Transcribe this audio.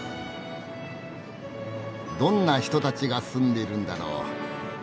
どんな人たちが住んでいるんだろう？